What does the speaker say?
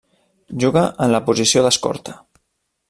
Juga en la posició d'escorta.